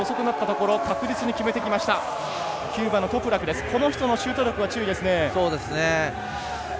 この人のシュート力は注意ですね。